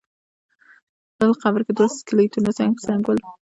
په بل قبر کې دوه سکلیټونه څنګ په څنګ ول.